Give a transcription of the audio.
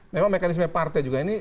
memang mekanisme partai juga ini